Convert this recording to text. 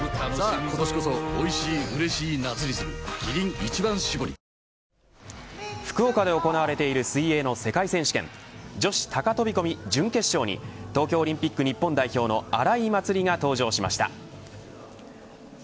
プロ入り４年目の２０１７年に脳腫瘍が判明し福岡で行われている水泳の世界選手権女子高飛込、準決勝に東京オリンピック日本代表の荒井祭里が登場しました。